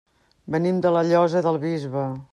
Venim de la Llosa del Bisbe.